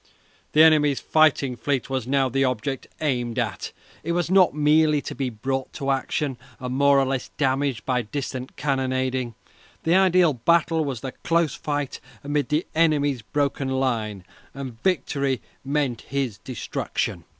The enemy's fighting fleet was now the object aimed at. It was not merely to be brought to action, and more or less damaged by distant cannonading. The ideal battle was the close fight amid the enemy's broken line, and victory meant his destruction.